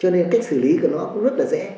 cho nên cách xử lý của nó cũng rất là dễ